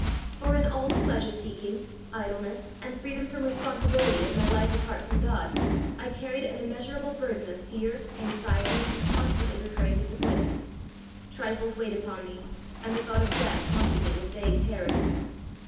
For in all the pleasure seeking, idleness, and freedom from responsibility of my life apart from God, I carried an immeasurable burden of fear, anxiety, and constantly recurring disappointment; trifles weighed upon me, and the thought of death haunted me with vague terrors.